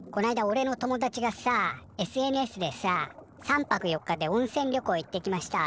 おれの友達がさＳＮＳでさ「３泊４日で温泉旅行行ってきました」